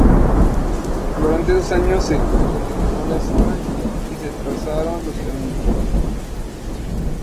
Durante esos años se acondicionó la zona y se trazaron los caminos.